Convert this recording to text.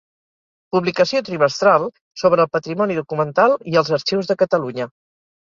Publicació trimestral sobre el patrimoni documental i els arxius de Catalunya.